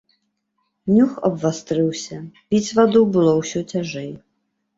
Нюх абвастрыўся, піць ваду было ўсё цяжэй.